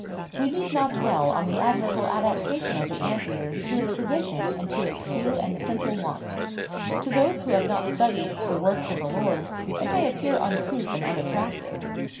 We need not dwell on the admirable adaptation of the ant eater to its position and to its few and simple wants. To those who have not studied "the works of the Lord," it may appear uncouth and unattractive.